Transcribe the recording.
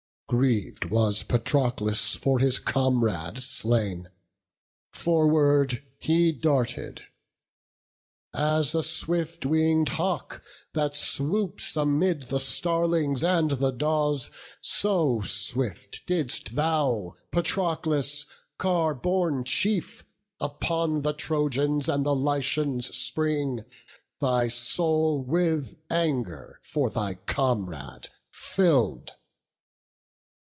Griev'd was Patroclus for his comrade slain; Forward he darted, as a swift wing'd hawk, That swoops amid the starlings and the daws; So swift didst thou, Patroclus, car borne chief, Upon the Trojans and the Lycians spring, Thy soul with anger for thy comrade fill'd.